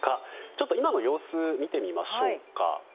ちょっと今の様子を見てみましょうか。